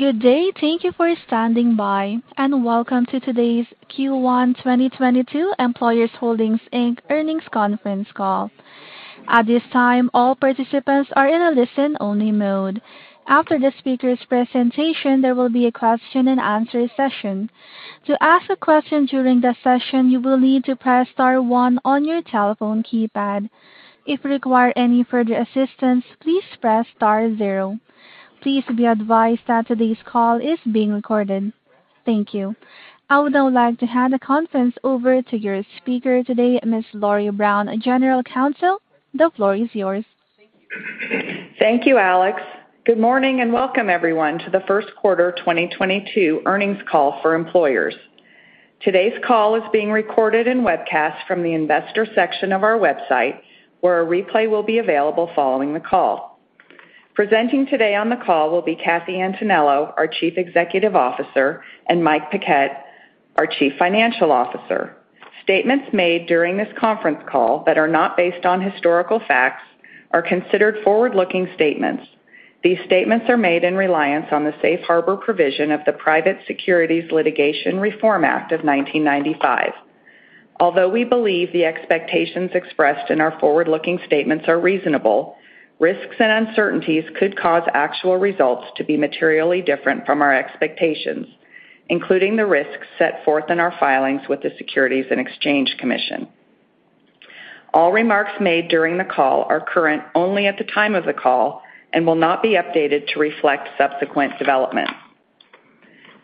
Good day. Thank you for standing by, and welcome to today's Q1 2022 Employers Holdings, Inc. Earnings Conference Call. At this time, all participants are in a listen-only mode. After the speaker's presentation, there will be a question-and-answer session. To ask a question during the session, you will need to press star one on your telephone keypad. If you require any further assistance, please press star zero. Please be advised that today's call is being recorded. Thank you. I would now like to hand the conference over to your speaker today, Ms. Lori Brown, General Counsel. The floor is yours. Thank you, Alex. Good morning, and welcome everyone to the First Quarter 2022 Earnings Call for Employers. Today's call is being recorded and webcast from the investor section of our website, where a replay will be available following the call. Presenting today on the call will be Katherine Antonello, our Chief Executive Officer, and Mike Paquette, our Chief Financial Officer. Statements made during this conference call that are not based on historical facts are considered forward-looking statements. These statements are made in reliance on the Safe Harbor provision of the Private Securities Litigation Reform Act of 1995. Although we believe the expectations expressed in our forward-looking statements are reasonable, risks and uncertainties could cause actual results to be materially different from our expectations, including the risks set forth in our filings with the Securities and Exchange Commission. All remarks made during the call are current only at the time of the call and will not be updated to reflect subsequent developments.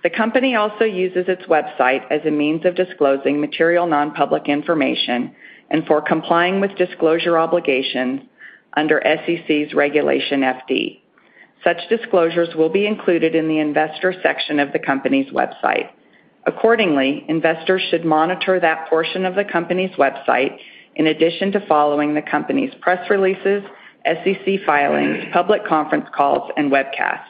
The company also uses its website as a means of disclosing material non-public information and for complying with disclosure obligations under SEC's Regulation FD. Such disclosures will be included in the Investor section of the company's website. Accordingly, investors should monitor that portion of the company's website in addition to following the company's press releases, SEC filings, public conference calls, and webcasts.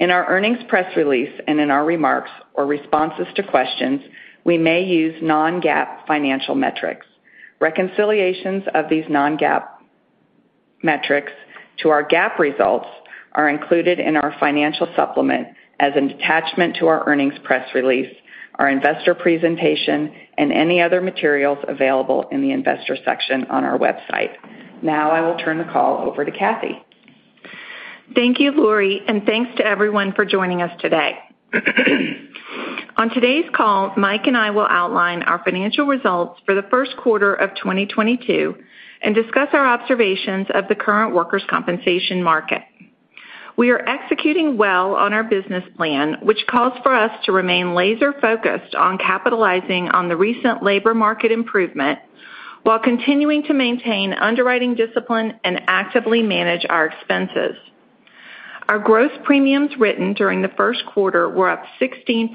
In our earnings press release and in our remarks or responses to questions, we may use non-GAAP financial metrics. Reconciliations of these non-GAAP metrics to our GAAP results are included in our financial supplement as an attachment to our earnings press release, our investor presentation, and any other materials available in the Investor section on our website. Now, I will turn the call over to Kathy. Thank you, Lori, and thanks to everyone for joining us today. On today's call, Mike and I will outline our financial results for the first quarter of 2022 and discuss our observations of the current workers' compensation market. We are executing well on our business plan, which calls for us to remain laser-focused on capitalizing on the recent labor market improvement while continuing to maintain underwriting discipline and actively manage our expenses. Our gross premiums written during the first quarter were up 16%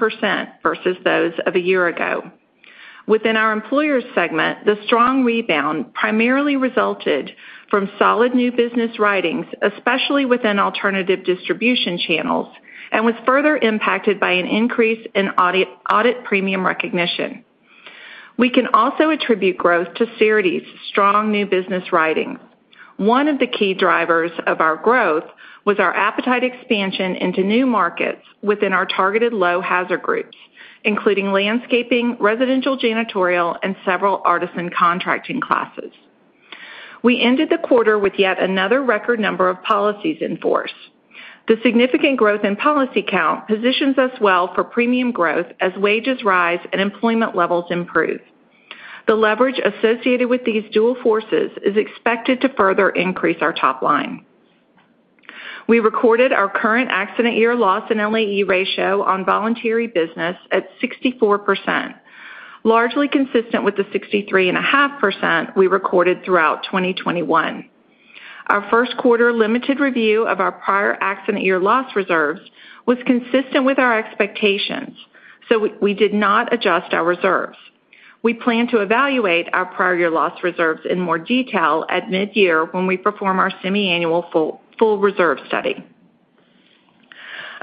versus those of a year ago. Within our Employers segment, the strong rebound primarily resulted from solid new business writings, especially within alternative distribution channels, and was further impacted by an increase in audit premium recognition. We can also attribute growth to Cerity's strong new business writing. One of the key drivers of our growth was our appetite expansion into new markets within our targeted low hazard groups, including landscaping, residential janitorial, and several artisan contracting classes. We ended the quarter with yet another record number of policies in force. The significant growth in policy count positions us well for premium growth as wages rise and employment levels improve. The leverage associated with these dual forces is expected to further increase our top line. We recorded our current accident year loss in LAE ratio on voluntary business at 64%, largely consistent with the 63.5% we recorded throughout 2021. Our first quarter limited review of our prior accident year loss reserves was consistent with our expectations, so we did not adjust our reserves. We plan to evaluate our prior year loss reserves in more detail at mid-year when we perform our semi-annual full reserve study.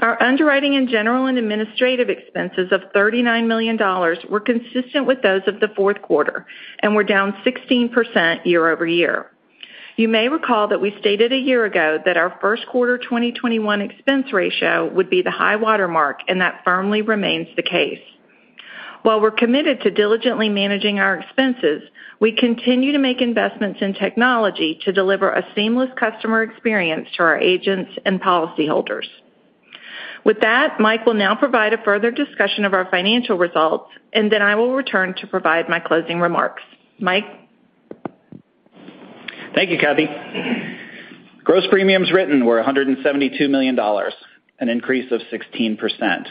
Our underwriting, general and administrative expenses of $39 million were consistent with those of the fourth quarter and were down 16% year-over-year. You may recall that we stated a year ago that our first quarter 2021 expense ratio would be the high watermark, and that firmly remains the case. While we're committed to diligently managing our expenses, we continue to make investments in technology to deliver a seamless customer experience to our agents and policyholders. With that, Mike will now provide a further discussion of our financial results, and then I will return to provide my closing remarks. Mike? Thank you, Kathy. Gross premiums written were $172 million, an increase of 16%.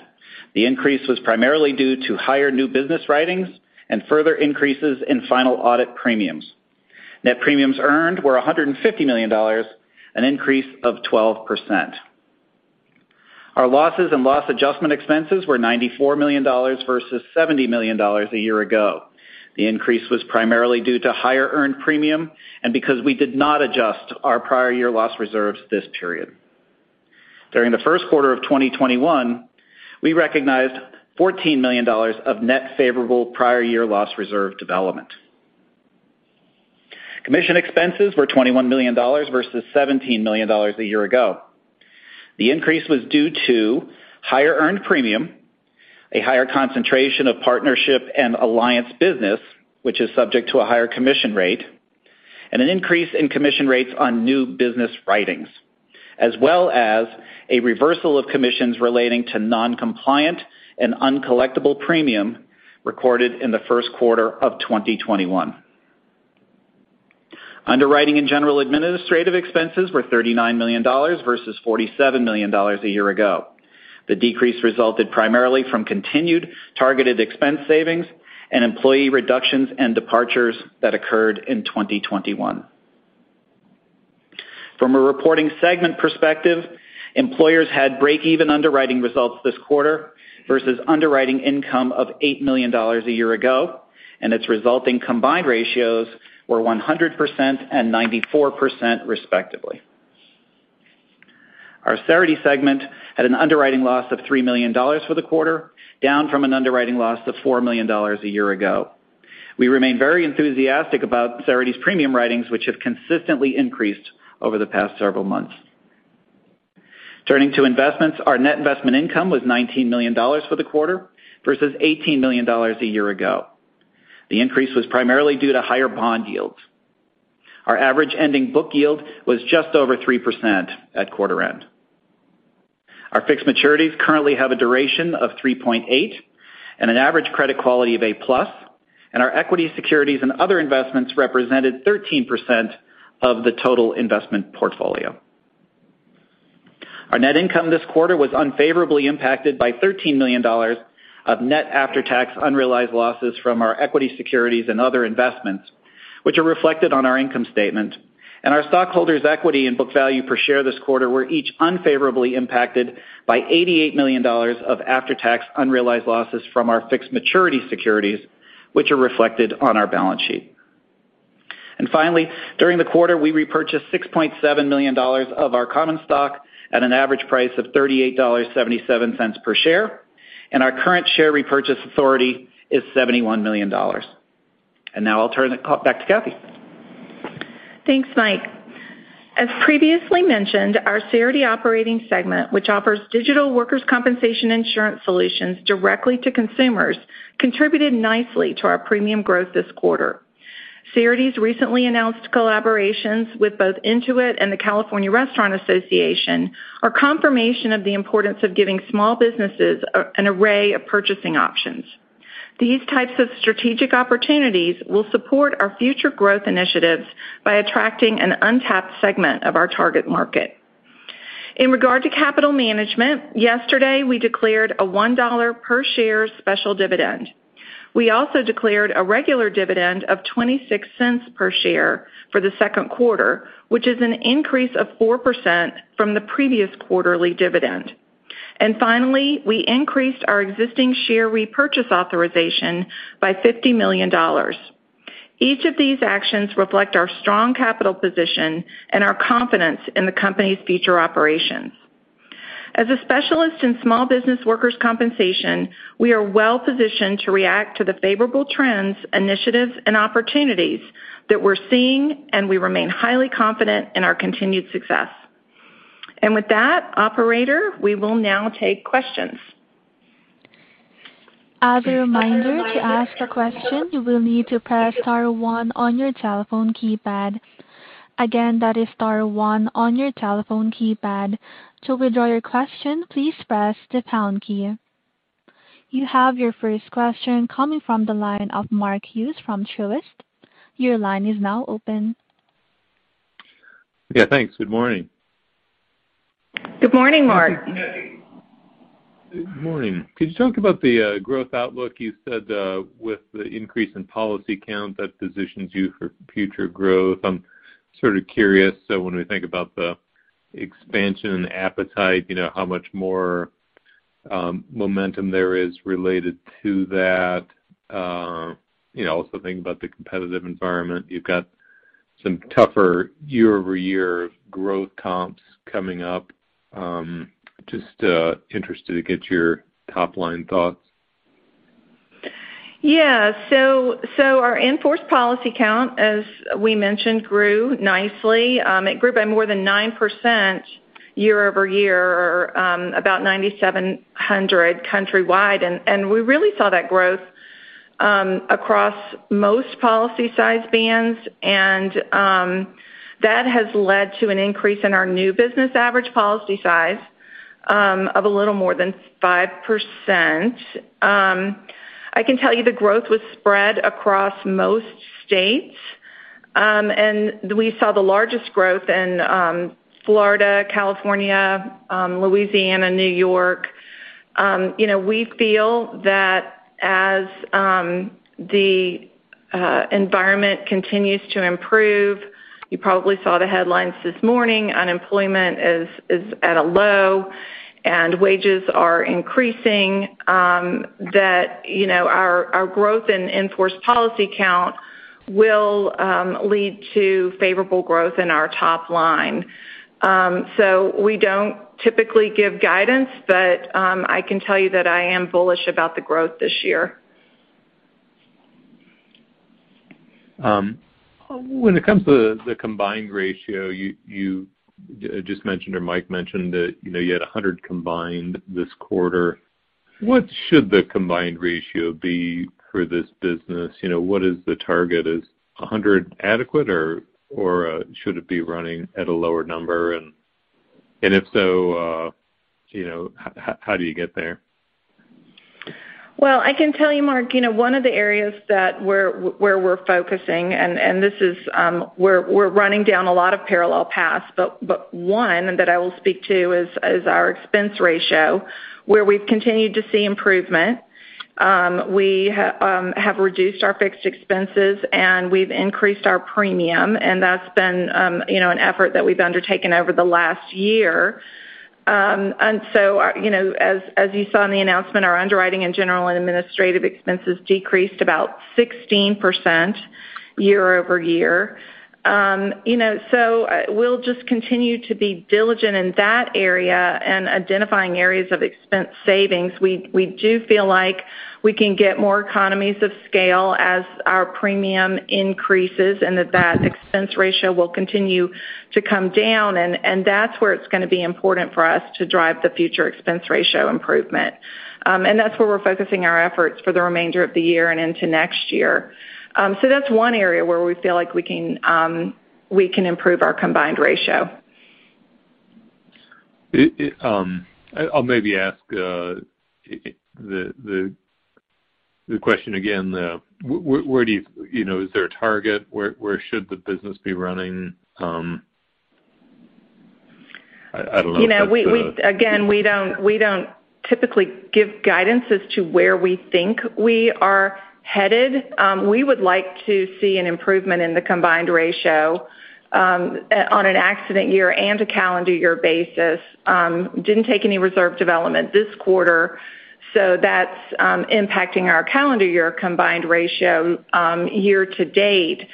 The increase was primarily due to higher new business writings and further increases in final audit premiums. Net premiums earned were $150 million, an increase of 12%. Our losses and loss adjustment expenses were $94 million versus $70 million a year ago. The increase was primarily due to higher earned premium and because we did not adjust our prior year loss reserves this period. During the first quarter of 2021, we recognized $14 million of net favorable prior year loss reserve development. Commission expenses were $21 million versus $17 million a year ago. The increase was due to higher earned premium, a higher concentration of partnership and alliance business, which is subject to a higher commission rate, and an increase in commission rates on new business writings, as well as a reversal of commissions relating to non-compliant and uncollectible premium recorded in the first quarter of 2021. Underwriting and general administrative expenses were $39 million versus $47 million a year ago. The decrease resulted primarily from continued targeted expense savings and employee reductions and departures that occurred in 2021. From a reporting segment perspective, Employers had breakeven underwriting results this quarter versus underwriting income of $8 million a year ago, and its resulting combined ratios were 100% and 94%, respectively. Our Cerity segment had an underwriting loss of $3 million for the quarter, down from an underwriting loss of $4 million a year ago. We remain very enthusiastic about Cerity's premium writings, which have consistently increased over the past several months. Turning to investments, our net investment income was $19 million for the quarter versus $18 million a year ago. The increase was primarily due to higher bond yields. Our average ending book yield was just over 3% at quarter end. Our fixed maturities currently have a duration of 3.8 and an average credit quality of A+, and our equity securities and other investments represented 13% of the total investment portfolio. Our net income this quarter was unfavorably impacted by $13 million of net after-tax unrealized losses from our equity securities and other investments, which are reflected on our income statement. Our stockholders' equity and book value per share this quarter were each unfavorably impacted by $88 million of after-tax unrealized losses from our fixed maturities securities, which are reflected on our balance sheet. Finally, during the quarter, we repurchased $6.7 million of our common stock at an average price of $38.77 per share, and our current share repurchase authority is $71 million. Now I'll turn it back to Kathy. Thanks, Mike. As previously mentioned, our Cerity operating segment, which offers digital workers' compensation insurance solutions directly to consumers, contributed nicely to our premium growth this quarter. Cerity's recently announced collaborations with both Intuit and the California Restaurant Association are confirmation of the importance of giving small businesses an array of purchasing options. These types of strategic opportunities will support our future growth initiatives by attracting an untapped segment of our target market. In regard to capital management, yesterday, we declared a $1 per share special dividend. We also declared a regular dividend of $0.26 per share for the second quarter, which is an increase of 4% from the previous quarterly dividend. Finally, we increased our existing share repurchase authorization by $50 million. Each of these actions reflect our strong capital position and our confidence in the company's future operations. As a specialist in small business workers' compensation, we are well-positioned to react to the favorable trends, initiatives, and opportunities that we're seeing, and we remain highly confident in our continued success. With that, operator, we will now take questions. As a reminder, to ask a question, you will need to press star one on your telephone keypad. Again, that is star one on your telephone keypad. To withdraw your question, please press the pound key. You have your first question coming from the line of Mark Hughes from Truist. Your line is now open. Yeah, thanks. Good morning. Good morning, Mark. Good morning. Could you talk about the growth outlook? You said, with the increase in policy count, that positions you for future growth. I'm sort of curious, so when we think about the expansion appetite, you know, how much more momentum there is related to that. You know, also think about the competitive environment. You've got some tougher year-over-year growth comps coming up. Just interested to get your top-line thoughts. Yeah. Our in-force policy count, as we mentioned, grew nicely. It grew by more than 9% year-over-year or about 9,700 countrywide. We really saw that growth across most policy size bands, and that has led to an increase in our new business average policy size of a little more than 5%. I can tell you the growth was spread across most states, and we saw the largest growth in Florida, California, Louisiana, New York. You know, we feel that as the environment continues to improve, you probably saw the headlines this morning, unemployment is at a low, and wages are increasing, that you know, our growth in in-force policy count will lead to favorable growth in our top line. We don't typically give guidance, but I can tell you that I am bullish about the growth this year. When it comes to the combined ratio, you just mentioned or Mike mentioned that, you know, you had a 100 combined this quarter. What should the combined ratio be for this business? You know, what is the target? Is a 100 adequate, or, you know, how do you get there? Well, I can tell you, Mark, you know, one of the areas where we're focusing, and this is, we're running down a lot of parallel paths, but one that I will speak to is our expense ratio, where we've continued to see improvement. We have reduced our fixed expenses, and we've increased our premium, and that's been, you know, an effort that we've undertaken over the last year. You know, as you saw in the announcement, our underwriting and general and administrative expenses decreased about 16% year-over-year. You know, we'll just continue to be diligent in that area and identifying areas of expense savings. We do feel like we can get more economies of scale as our premium increases and that expense ratio will continue to come down. That's where it's gonna be important for us to drive the future expense ratio improvement. That's where we're focusing our efforts for the remainder of the year and into next year. That's one area where we feel like we can improve our combined ratio. I'll maybe ask the question again. Where, you know, is there a target? Where should the business be running? I don't know if that's You know, again, we don't typically give guidance as to where we think we are headed. We would like to see an improvement in the combined ratio on an accident year and a calendar year basis. Didn't take any reserve development this quarter, so that's impacting our calendar year combined ratio year to date.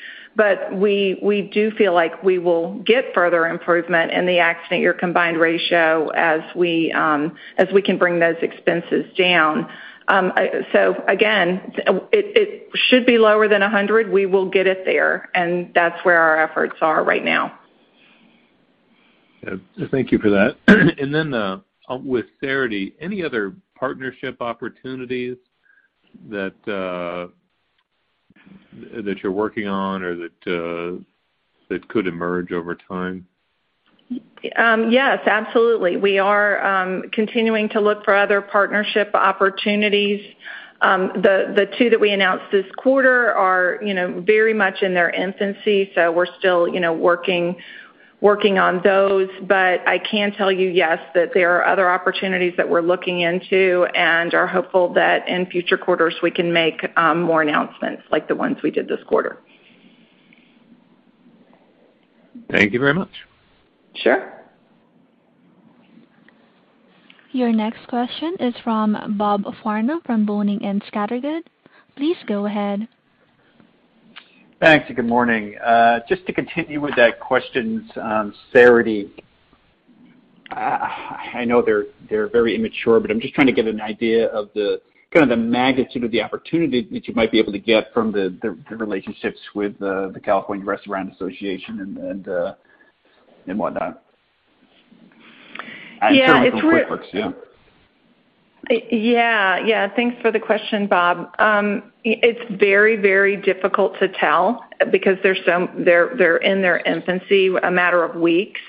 We do feel like we will get further improvement in the accident year combined ratio as we can bring those expenses down. Again, it should be lower than 100. We will get it there, and that's where our efforts are right now. Thank you for that. With Cerity, any other partnership opportunities that you're working on or that could emerge over time? Yes, absolutely. We are continuing to look for other partnership opportunities. The two that we announced this quarter are, you know, very much in their infancy, so we're still, you know, working on those. I can tell you, yes, that there are other opportunities that we're looking into and are hopeful that in future quarters, we can make more announcements like the ones we did this quarter. Thank you very much. Sure. Your next question is from Bob Farnam from Janney Montgomery Scott. Please go ahead. Thanks. Good morning. Just to continue with that questions on Cerity. I know they're very immature, but I'm just trying to get an idea of the kind of the magnitude of the opportunity that you might be able to get from the relationships with the California Restaurant Association and whatnot. Yeah, it's. Certainly from QuickBooks, yeah. Yeah, yeah. Thanks for the question, Bob. It's very, very difficult to tell because they're in their infancy, a matter of weeks.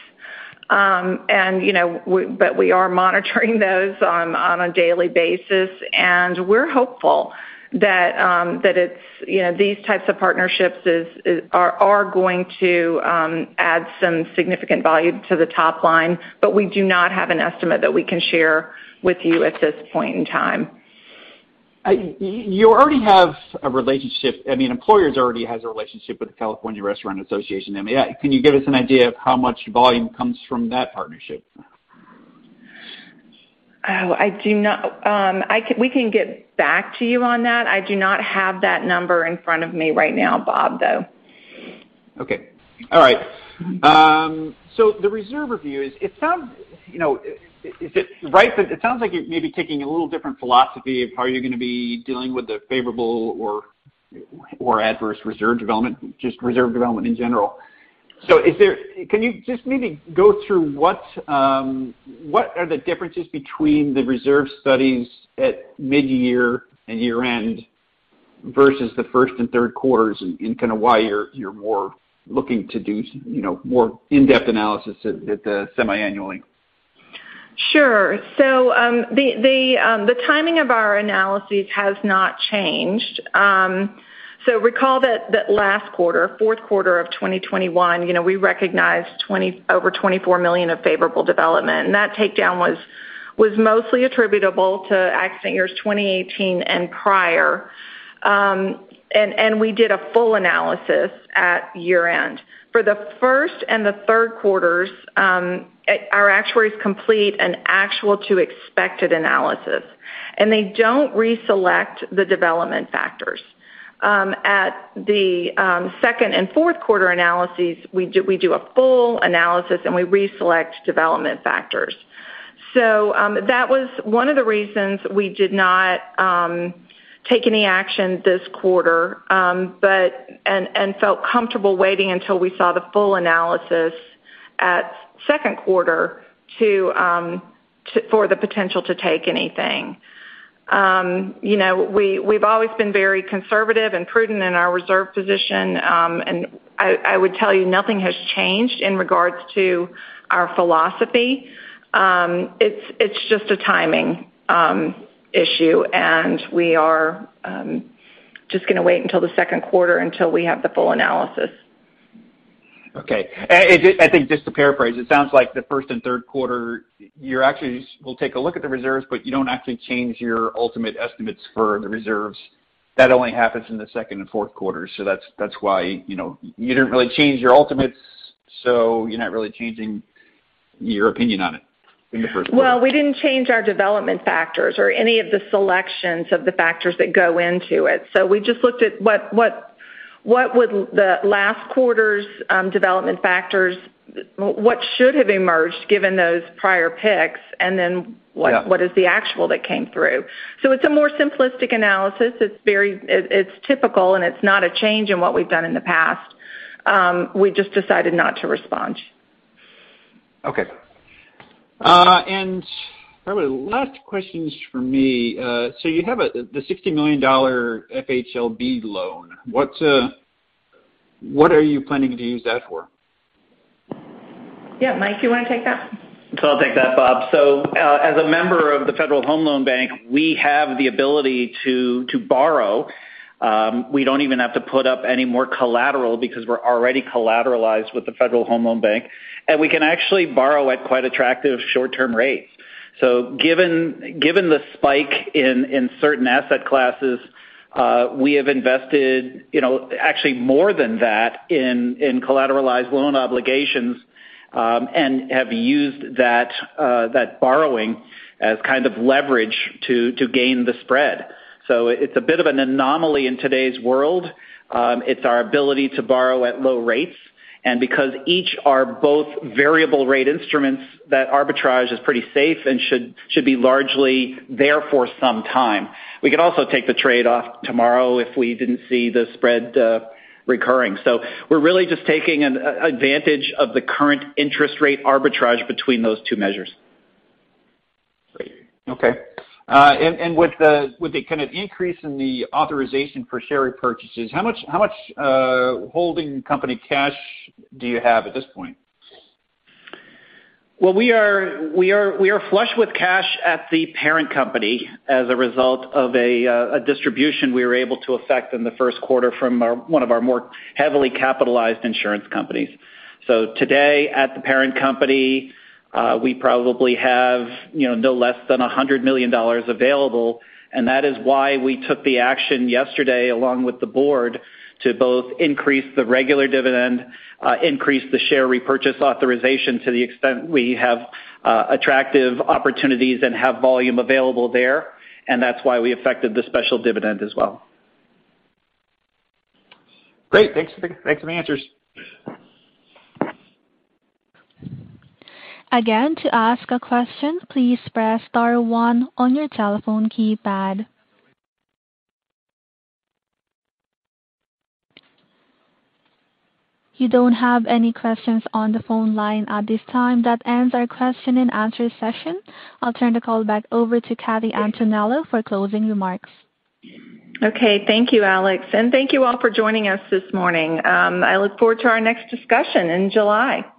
But we are monitoring those on a daily basis, and we're hopeful that, you know, these types of partnerships are going to add some significant value to the top line, but we do not have an estimate that we can share with you at this point in time. You already have a relationship. I mean, Employers already has a relationship with the California Restaurant Association. I mean, can you give us an idea of how much volume comes from that partnership? We can get back to you on that. I do not have that number in front of me right now, Bob, though. Okay. All right. The reserve review is, it sounds, you know, is it right that it sounds like you're maybe taking a little different philosophy of how you're gonna be dealing with the favorable or adverse reserve development, just reserve development in general. Can you just maybe go through what are the differences between the reserve studies at mid-year and year-end versus the first and third quarters, and kind of why you're more looking to do, you know, more in-depth analysis at the semiannually? Sure. The timing of our analyses has not changed. Recall that last quarter, fourth quarter of 2021, you know, we recognized over $24 million of favorable development, and that takedown was mostly attributable to accident years 2018 and prior. We did a full analysis at year-end. For the first and third quarters, our actuaries complete an actual-to-expected analysis, and they don't reselect the development factors. At the second and fourth quarter analyses, we do a full analysis, and we reselect development factors. That was one of the reasons we did not take any action this quarter, but felt comfortable waiting until we saw the full analysis at second quarter for the potential to take anything. You know, we've always been very conservative and prudent in our reserve position, and I would tell you nothing has changed in regards to our philosophy. It's just a timing issue, and we are just gonna wait until the second quarter until we have the full analysis. Okay. I think just to paraphrase, it sounds like the first and third quarter, your actuaries will take a look at the reserves, but you don't actually change your ultimate estimates for the reserves. That only happens in the second and fourth quarters. That's why, you know, you didn't really change your ultimates, so you're not really changing your opinion on it in the first quarter. Well, we didn't change our development factors or any of the selections of the factors that go into it. We just looked at what would the last quarter's development factors, what should have emerged given those prior picks, and then what. Yeah. What is the actual-to-expected that came through. It's a more simplistic analysis. It's typical, and it's not a change in what we've done in the past. We just decided not to respond. Okay. Probably the last questions from me. You have the $60 million FHLB loan. What are you planning to use that for? Yeah, Mike, you wanna take that? I'll take that, Bob. As a member of the Federal Home Loan Bank, we have the ability to borrow. We don't even have to put up any more collateral because we're already collateralized with the Federal Home Loan Bank, and we can actually borrow at quite attractive short-term rates. Given the spike in certain asset classes, we have invested you know actually more than that in collateralized loan obligations, and have used that borrowing as kind of leverage to gain the spread. It's a bit of an anomaly in today's world. It's our ability to borrow at low rates. Because each are both variable rate instruments, that arbitrage is pretty safe and should be largely there for some time. We could also take the trade-off tomorrow if we didn't see the spread recurring. We're really just taking an advantage of the current interest rate arbitrage between those two measures. Great. Okay. With the kind of increase in the authorization for share repurchases, how much holding company cash do you have at this point? Well, we are flush with cash at the parent company as a result of a distribution we were able to affect in the first quarter from one of our more heavily capitalized insurance companies. Today, at the parent company, we probably have, you know, no less than $100 million available, and that is why we took the action yesterday, along with the board, to both increase the regular dividend, increase the share repurchase authorization to the extent we have attractive opportunities and have volume available there, and that's why we affected the special dividend as well. Great. Thanks for the answers. Again, to ask a question, please press star one on your telephone keypad. You don't have any questions on the phone line at this time. That ends our question and answer session. I'll turn the call back over to Katherine Antonello for closing remarks. Okay. Thank you, Alex, and thank you all for joining us this morning. I look forward to our next discussion in July.